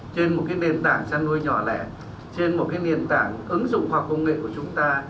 trên một nền tảng chăn nuôi nhỏ lẻ trên một nền tảng ứng dụng hoặc công nghệ của chúng ta